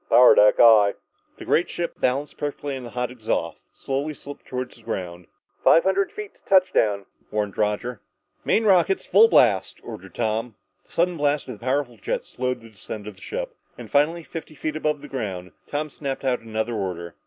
"Power deck, aye." The great ship, balanced perfectly on the hot exhaust, slowly slipped toward the ground. "Five hundred feet to touchdown," warned Roger. "Main rockets full blast," ordered Tom. The sudden blast of the powerful jets slowed the descent of the ship, and finally, fifty feet above the ground, Tom snapped out another order.